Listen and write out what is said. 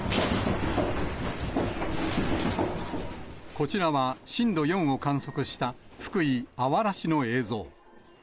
こちらは震度４を観測した福井・あわら市の映像。